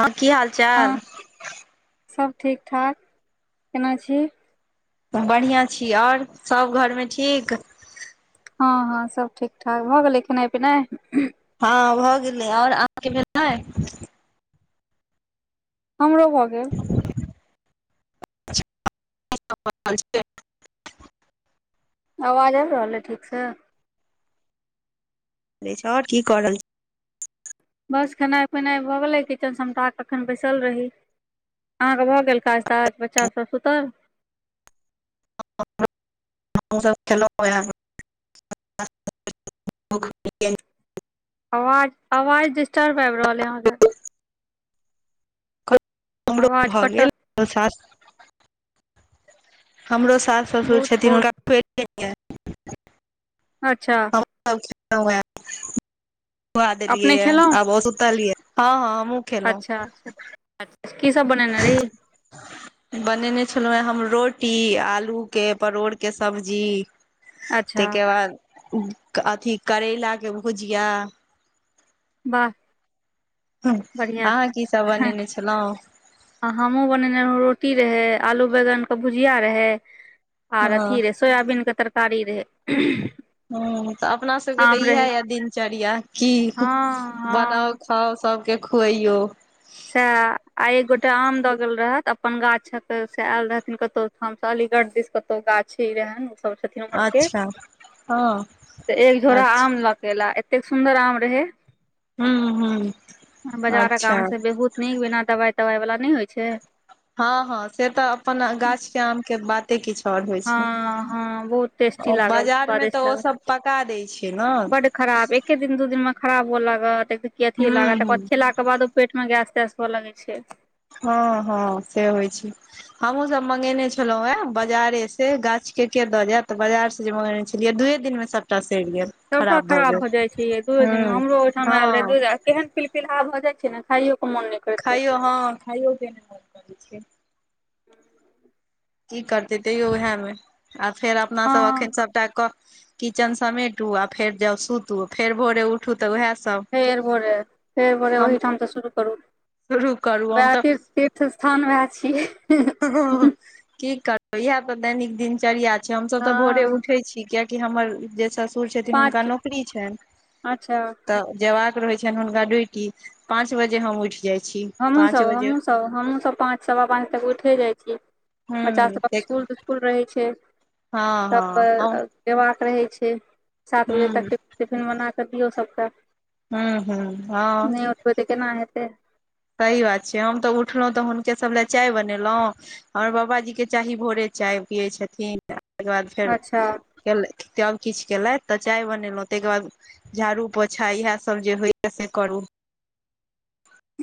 हँ की हाल हँ चाल सब ठीक ठाक केना छी बढ़ियाँ छी आओर सभ घरमे ठीक हँ हँ सभ ठीक ठाक भऽ गेलै खेनाइ पिनाइ हँ भऽ गेलै ओर अहाँके भेलै हमरो भऽ गेल [unintelligible] अबाज आबि रहल अय ठीक से छै आओर की कर रहल बस खेनाइ पिनाइ भऽ गेलै किचन समटा कऽ अखन बैसल रही अहाँके भऽ गेल काज ताज बच्चा सब सुतल सब आवाज-आवाज डिस्टर्ब आबि रहल अय अहाँ के कल हमरो आवाज भऽ कटत गेल [unintelligible] हमरो सास, ससुर बहुत छथिन बहुत हुनका [unintelligible] अच्छा सब खेलऊ हैं, खुआ देलियै अपने यै खेलहुँ आब ओ सुतलयै। हँ-हँ हमहुं अच्छा-अच्छा अच् की सब बनेने रही। [inaudible] बनेने छलहुँ हैं हम रोटी, आलू के परोड़ के सब्जी अच्छा तयके बाद अथी करैला के भुजिया। वाह अच्छा बढ़िया अहाँ की सब बनेने छलऊ। आ हमहुँ बनेने रहौ, रोटी रहे, आलू बैगन के भुजिया रहे, आर हँ अथी रह सोयाबीनके तरकारी रहै। हम्म त अपना सबके त आम इएह रहै यऽ दिनचर्या की हँ बनाउ हँ खाउ सबके खुअइयौ। सैह आय एक गोटा आम दऽ गेल रहैथ, अपन गाछक से ऐल रहथिन कतहु ठाम स अलीगढ़ दिश कतौ गाछी रहैन। सब छथीन उमहरके, अच्छा हँ त एक झोरा अच्छा आम ल क ऐला एतेक सुन्दर आम रहै, हूँ हूँ बजारक अच्छा आम स बहुत नीक बिना दवाई-तवाई वला नहि होइ छै। हँ-हँ से तऽ अपन गाछ के आम के बात ते किछ ओर होइ हँ छै, हँ बहुत टेस्टी ओ लागल बाजार मे स्वादिष्ट त ओ लागल सब पका दै छै न। बड खराब एके दिन, दू दिन मे खराब हुअ लागत, देख- देख क अथिये हूँ लागत, तकरबाद हूँ खेलाके बादो पेट मे गैस-तैस हुअ लगै छै। हँ-हँ से होइ छै। हमहुं सब मंगेने छलहुं हैं, बाजारे से गाछ के-के दऽ जायत त बाजार स जे मंगेने छलियै दूए दिन मे सबटा सइर गेल। सबटा भऽ खराब भ गेल जाय छै यैं, दूए दिन मे हूँ हमरो ओहिठाम आयल रहे हँ दू द केहन पील पिलहा भऽ जाइ छै न खइयो मोन नहि करैत रहै खाइयो हँ खाइयो के नहि मन करै छै। की करतै तैयो ओहै में, आ फेर अपनासभ हँ एखन सभटा कऽ किचन समेंटु आ फेर जाउ सुतू, फेर भोरे उ ठु त वैहै सब। फेर भोरे- फेर भोरे हम ओहिठाम तऽ शुरू करू, शुरू करू हम वैह तऽ फिर तीर्थ स्थान वैह छियै। की करबै इएह तऽ दैनिक दिनचर्या छै, हमसब तऽ भोरे हँ उठै छी किये हमर जे ससुर छथिन, हुनका पाँच नौकरी छनि अच्छा तऽ जेबाक रहै छनि हुनका ड्यूटी पाँच बजे हम उठि जाइ छी पाँच बजे हमहुँसब-हमहुँसब- हमहुँसब पाँच सवा पाँच बजे तक उठे जाइ छी, बच्चा हूँ सबके स्कुल-तिस् कुल रहै छै, हँ तब हँ हँ जबाक रहै छै। सात बजे तक हूँ टिफ-टिफिन बना कऽ दियौ सबकेँ। हम्म -हम्म- हँ। तुरते केना हेतै। सही बात छै, हम तऽ उठलहुँ तऽ हुनके सब लए चाय बनेलौ। हमर बाबाजी के चाही भोरे चाय पियै छथिन तै ओय के बाद फेर अच्छा ऐलै तब किछ ऐले तऽ चाय बनेलौ तै के बाद झाड़ू, पोछा इहै सब जे होय यै से करू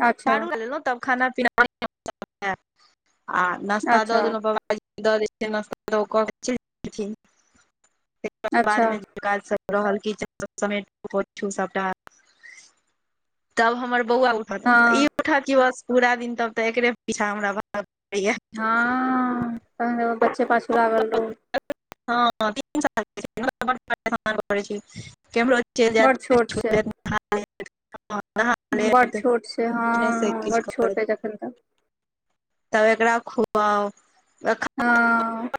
अच्छा झाड़ू [unintelligible] तब खाना-पीना [unintelligible] आ नाश्ता दऽ अच्छा देलौ बबा [unintelligible] द दै छीयै नाश्ता त ओ क कै चैल गेलखिन्ह अच्छा [unintelligible] तै काज सब रहल किचेन सब समेट [unintelligible] सबटा तब हमर बौआ उठत हँ ई उठत की बस पूरा दिन तब तै एकरे पीछा हमरा भागै पड़य यै। हां तहन से हेबै बच्चे पाछू लागल रहू [inaudible] हां तीन साल के छै नै हमरा बड परेशान करै छै। कैम्हरो चैल बड़ जाएत, कीछ छोट छु छै दैत हा [unintelligible] बड़ अपने से किछ करै जखन तै तब एकरा खुआव [unintelligible] हां।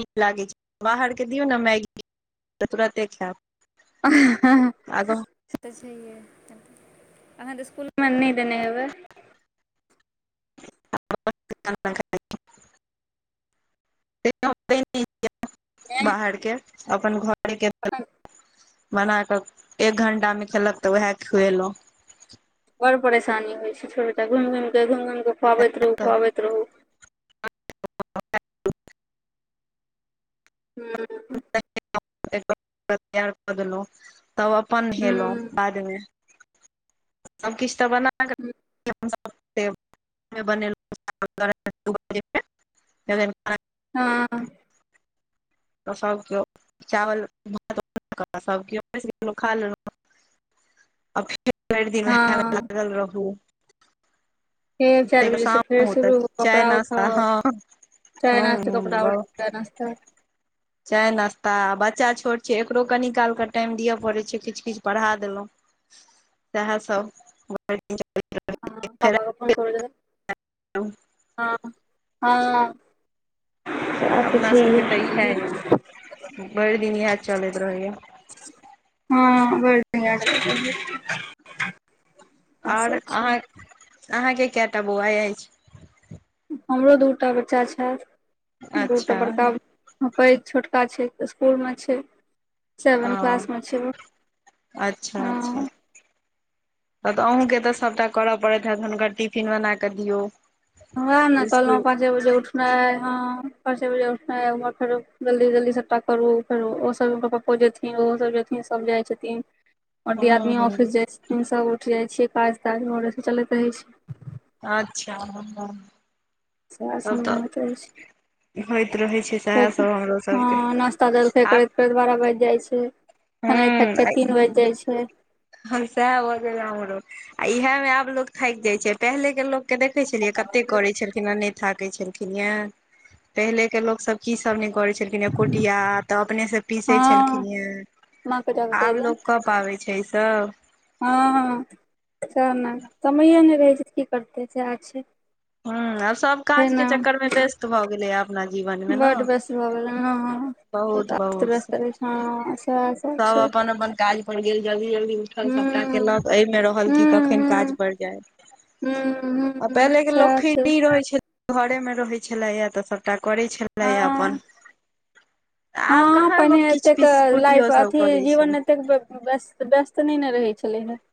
नीक लागै छै, बाहर के दियौ नै मैगी तै तुरते खैत। से तै छहियै अखन तै स्कुलमे नै देनै हेबै? के खाना खाय हम दै नै छीयै एं बाहर के अपन घरे के अखन देलौ। बना के एक घंटा मे खेलक तै वहै खुएलौ। बड़ परेशानी होय छै, [unintelligible] घुइम-घुइम के, घुइम-घुइम कै खुवावैत रहु तऽ खुवाबैत रहू हूँ। [unintelligible] तैयार कऽ देलौ तब अपन नेहेलौ हूँ बाद मे सब किछ तऽ बना क [inaudible] [unintelligible] नै बनेलौ चावल तै अड़हाय दु बजे फेर जखैन खाना हां। त सब कियो चावल भातऽ [unintelligible] सब कियो बैस गेलौ खा लेलौ। आ फेर भैर दिन उहै मे हँ लागल रहू फेर चाएर तैके बजे से फेर शामो तक शुरू चाय कपड़ा नास्ता उठाव हँ चाय-नाश्ता, हूं कपड़ा उठ चाय-नाश्ता चाय-नाश्ता बच्चा छोट छै एकरो कनी कालके टाइम दिए पड़य छै, किछ-किछ पढ़ा देलौ। साहै सब भर दिन [unintelligible] हां पप्पा के फोन करै गेलय हां-हां। तै अपना सबके तै इहै यै भैर दिन इहै चलैत रहै यै। हां भैर दिन इहै सब रहय यै। और अहाँ के अहाँ के कएटा बौआ ऐछ? हमरो दू टा बच्चा छैथ, दूटा अच्छा बड़का हां पैग छोटका छै तै स्कुल में छै। ओ सेवन क्लास मे छै ओ अच्छा हां अच्छा तब तै अहूँ के तै सबटा करय पड़ैत हैत हुनकर टिफिन बना कै दियौ उहो मे कहलौ स्कुल पच पाँचे बजे उठनाय हां पाँचे बजे उठनाय उमर फेरो जल्दी-जल्दी सबट्टा करू फेर ओ-ओसभ हिनकर पप्पो जेथिन ओहो सब जेथिन सब जाइ छथिन और हँ दीयादिनियो हँ ऑफिस जाय छथिन सब उठ जाय छियै काज ताज भोरे स चलैत रहै छैय। अच्छा। सएह तब सम तऽ बात अइछ। होइत रहै छै सएह सब हमरो सबके हँ नाश्ता जलखय आब करइत दस, बारह बाइज जाइ छैय। खेनाइ खाइत-खाइत तीन बाइज जाइ छैय। अखन सेह भ गेल ए हमरो आ इहेमे आब लोक थाइक जाय छैय पहिले के लोक के देखै छलियै कते करय छलखिन नै थाकय छलखिन ये पहिलेके लोक सब की सब नै करय छल खिन ये कुटिया त अपने से पीसय हँ छलखिन हें। माँ के जाके कहि आब देब लोक कऽ पाबै छैय इ सब। हँ सेह ने समये नै रहै छैय की करतै सेह छैय। ह आ सभ काजके चक्करमे व्यस्त भ गेलैए अपना जीवनमे न। बड व्यस्त भऽ गेलै हँ अस्त बहुत-बहुत। व्यस्त रहय [unintelligible] सब अपन-अपन काज पर गेल जल्दी-जल्दी। उठल सबटा हुँ केलक अयमे रहल कि कखैन काज हुँ हुँ परड जाय। हुँ आ हुँ पहिलेके लोक सैह छै फ्री रहै छै घरेमे रहै छलै त सभटा करै छलै हँ अपन। आब हँ कहाँ पहिने लोक किछ एतेक पिस लाइफ कुटियो सब अथी करै छै जीवन एते स्त व्यस्त-व्यस्त नै ने रहै छलै हे।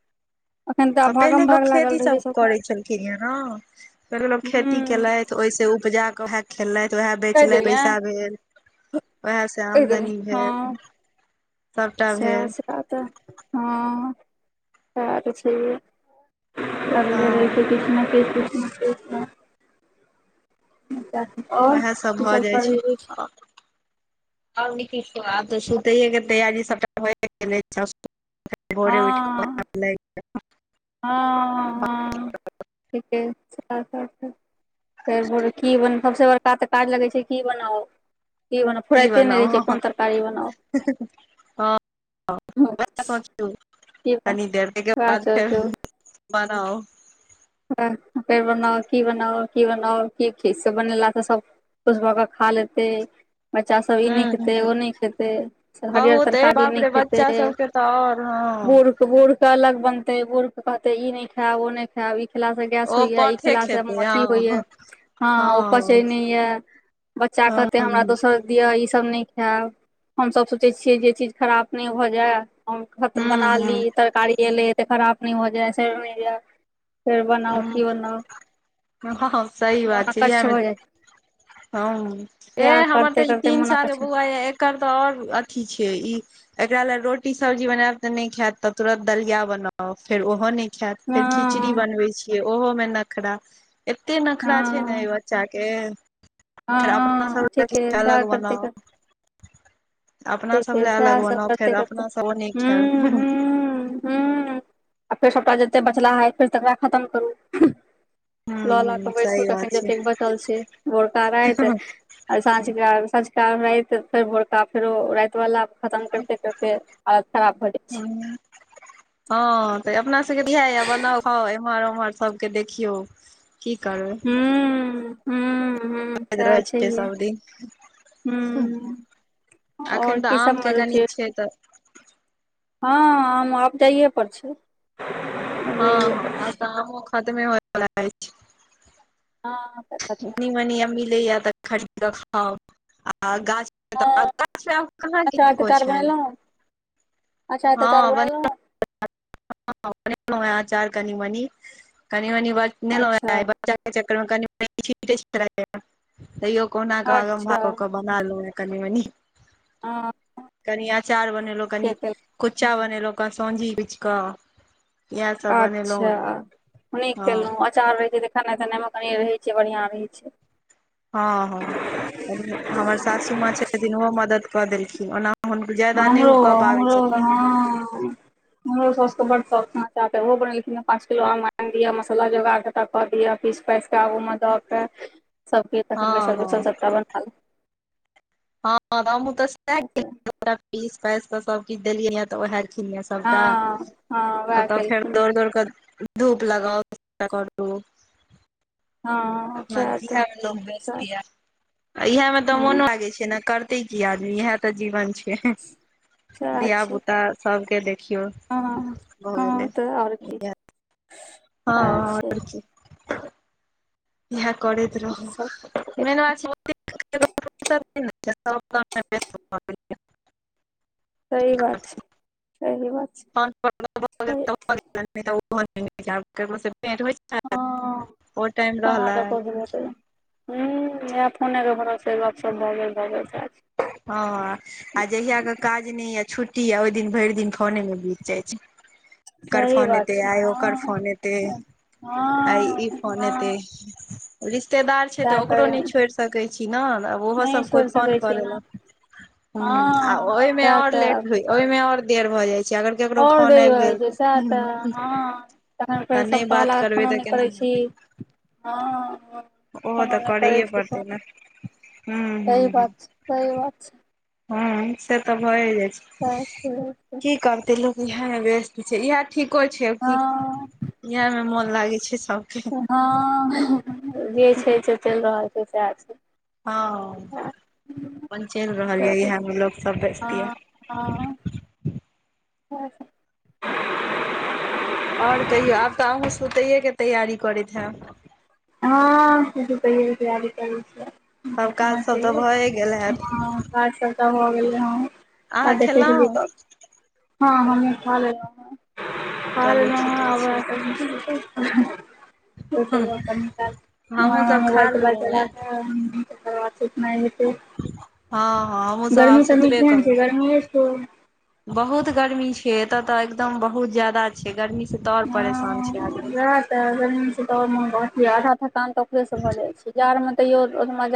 अखन तऽ त पहिले भागम भाग लोक लागल खेती रहै छै सब सबके करे छलखिन ये न पहिले लोक खेती हुँ केलैथ त ओय स उपजाके वहे खेलथि वेह कहि बेचलथि देलियै पैसा भेल। उएह से आमदनी भेल हँ सभटा सेह भेल सब। सेह त हँ सेह त छैहे। हँ किछ न किछ, किछ न किछ [inaudible] ओहेसभ की भ सब जाइ करही छैय रोज? आ आओ नीके छौ आब त सुतेये के तैयारी सबटा भये गेलै। भोरे हँ उठिकऽ [unintelligible] हँ- हँ ठीके छैय [unintelligible] फेरो भोरे की बनाउ सबसे बड़का त काज लगै छैय की बनाउ। की बनाउ फुराइते नै रहै छैय कोन तरकारी हँ बनाउ। सोचू [unintelligible] बनाओ। फेर बनाउ की बनाउ की बनाउ की से बनेला त सब खुश भ क खा लेतै। बच्चा सभ इ नहि खेतै हूं ओ नै खेतै हरियर तरकारी नै खेतै। त और हँ। बुढ़-बुढ़ के अलग बनतै बुढ़ के कहतै इ न खैब ओ नय खैब इ खेला स गैस ओ होइया इ पथे खेला स खेतै अथी होइया हँ हँ ओ पचय नै ये। बच्चा हँ कहतै हमरा दोसर दिअ इसभ नै खैब हमसभ सोचै छियै जे इ चीज खराप नै भ जाए। हम खत बना हूं ली तरकारी एलैये त खराब नै भ जाय सइर नै जाए। फेर बनाउ हूं की बनाउ। हँ हॅं हॅं सही मोन बात छै यैह अकच्छ मे भऽ जाइ हं ए या हमर करते तऽ ई करते तीन मोना कहै साल छै बौआ यै एकर तऽ और अथी छै ई। एकरा लै रोटी सब्जी बनैब तऽ नहि खैत त तुरत दलिया बनाउ फेर ओहो नै खैत फेर खिचड़ी हँ बनबै छियै ओहो में नखरा एत्ते नखरा छै ने हँ ऐ बच्चा के के फेर अपना हँ सबलै ठीके किछ सएह अलग करते बनाउ करते अपना सब ठीके लए अलग सैह सब बनाउ करते फेर करते अपना सब ओ नहि हूं खायब हूं। हूं आ फेर सबटा जत्ते बचलाहा ऐ फेर तकरा खतम करू। लऽ लऽ कऽ हूं बैसू सही तखनि बात छै जतेक बचल छै भोरका राति आ सांझका संझका राति फेर भोरका फेरो राति वला। खतम करिते करिते हालत खराब भऽ जाइ छै। हँ तऽ अपना सबके त यैहै यै बनाउ खाउ एमहर उम्हर सब के देखियौ की करबै हूं। हूं हूं सैह रहै छियै छैेहे सब दिन हूं। और अखन तऽ की आम सब के [unintelligible] कनि छै। तऽ हँ हमुं आब जाइए पर छी। हँ हँ आब त आमो खतमे होइ वला अछि। हँ। कनी मनी आब मिलैयै तऽ खरीद कऽ खाउ आ गाछ [unintelligible] हँ, गाछ आब कहाँ अचार किनको तचार छनि बनेलहुँ अचार हँ तचार बड बनेलहुँ [unintelligible] हं बनेलौं हैं अचार कनि मनि कनि मनी बनेलौं अच्छा हैं [unintelligible] जाइ के चक्कर मे हम कनी मनी [unintelligible] तैयो कहुना कऽ कऽ अच्छा [unintelligible] कऽ कऽ बना लेलौं हैं कनी मनी, हँ कनी अचार बनेलौं ठीके कनी केलहुँ कुच्चा बनेलौं, कसोंझी बिचक। अच्छा नीक हँ केलौं, अ अचार रहै छै त खेनाइ तेनाइ मे कनि रहै छै बढ़ियां रहै छै। हँ हँ कनि हमर सासु माँ छथिन ओहो मदद कऽ देलखिन ओना हुनक ज्यैदा नहि ऊ कऽ पाबै छथि हँऽऽ हमरो साउस के बड सौख छैन अचार के ओहो बनेलखिन हैं, पाँच किलो आम आनि दिया मसल्ला जोगाक सभटा कऽ दिअ पीस पैस कऽ आगूमे दऽ कै सभकिछ तखन हँ बैसल बैसल हँ सभटा बना लेत हँ तऽ हमु तऽ सैह ले। केलियैऐ पीस पाइस कऽ सबकिछ देलियैयै त ओहै [unintelligible] सबटा हँ हँ वएह आ तब फेर केलखिन दौड़ दौड़ कऽ धूप लगाउ [unintelligible] करू। हँ। [unintelligible] सएह तऽ लोक बय्सत सएह हैत इहैमे तऽ मोन हँ लागै छै ने कर तै की आदमी इहै त जीवन छै हैं सएह धिया छै पुता सबके देख खियौ हँ भऽ हँ गेलै तऽ आओर की हैयै हँ सएह छै और की इहै करैत रहु सब मेन बात छै [unintelligible] सही बात छै सही बात। छै [unintelligible] भऽ जेतै सही। त भऽ जेतै नै त ओ हँ [unintelligible] [unintelligible] ओ टाइम रहलैय। ऊं यैह फोनेके भरोसे गपसप भऽ गेल भऽ गेल सैह छै। हँ आ जहियाक काज नै यै छुट्टी यै ओइ दिन भरि दिन फोने मे बीत जाइ छै। [inaudible] कर सही फोन बात एतै छै आइ ओकर हँ फोन एतै आइ हँ ई फोन एतै। हँ रिश्तेदार छै सएह तऽ ओकरो करियौ नहि छोड़ि सकैत छी ने, आब ओहो नहि सब छोड़ि कोइ फोन सकै छी कऽ ने देलक। ह आ हँ ओहिमे ओर लेट हो, ओहिमे और देर भऽ जाइ छै। अगर केकरो और फोन देरी भ आबि जाई छै सैह गेल तऽ हँ। तखन फेर तऽ ओ सब नहि कहऽ बात लागत करबै फोनो तऽ नहि केना करै छी, हेतै हँ। ओहो फोनो तऽ नहि करै करैए छीही, पड़तै ने तु हूँ सही हूँ हूँ बात छै सही बात छै। हूँ से तऽ भए जाइ छै की करतै लोक। इएहे मे व्यस्त छै, इएहे ठीको छै की, हँ इहे मे मोन लागे छै सबके। हँ, जे छै से चलि रहल छै सएह छै। हँ अपन चलि रहल ये छै इएह मे लोक सब व्यस्त ये। हँ हँ [unintelligible] आओर कहियौ आब तऽ अहूँ सुतैएके तैयारी करैत हैब। हँ, सुतैये के तैयारी करै छियै। सब काज समझ सब तऽ गेलियै भए गेल हैत। हँ काज सबटा भऽ गेलै हँ, सैह अहाँ देखै छलियै खेलहुँ तब हँ हमहूँ खा लेलों हैं, खा चलू लेलों है आ ठीके छै वैह ओ त वैह कनीराम, हमहूँसभ खा मोबाइल चला लेलहुँ चला ये। कऽ। [unintelligible] तकर बाद सुतनाइ हेतै। हँ हँ हमहूँ सब आब गर्मी तनी सुतबे केहन करब। छै गर्मीये छौ बहुत गर्मी छै एत तऽ एकदम बहुत ज्यादा छै, गर्मीसँ तऽ आओर परेशान छै आदमी। हं गर्मी से त और मोन, आधा थकान त ओकरे से भऽ जाय छै जाड़ में तैयो